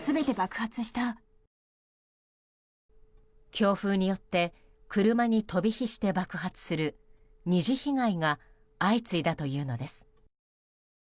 強風によって車に飛び火して爆発する２次被害が相次いだというのです。